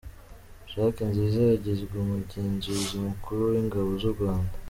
Jack Nziza yagizwe “Umugenzuzi Mukuru w’Ingabo z’u Rwanda”